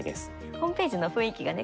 ホームページの雰囲気がね